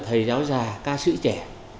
thầy giáo già ca sĩ trẻ